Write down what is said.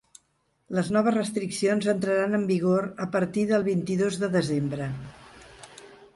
Les noves restriccions entraran en vigor a partir del vint-i-dos de desembre.